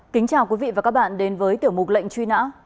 kính chào quý vị và các bạn đến với tiểu mục lệnh truy nã